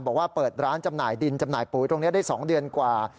บอกว่าเปิดร้านจำหน่ายดินจำหน่ายปุ๋ยตรงนี้ได้๒เดือนกว่า